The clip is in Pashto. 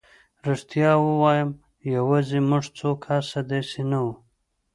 رښتیا ووایم یوازې موږ څو کسه داسې نه وو.